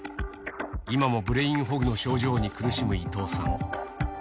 今もブレインフォグの症状に苦しむ伊藤さん。